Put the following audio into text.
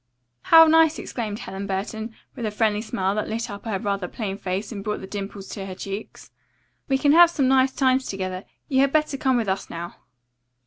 "How nice!" exclaimed Helen Burton, with a friendly smile that lighted up her rather plain face and brought the dimples to her cheeks. "We can have some nice times together. You had better come with us now."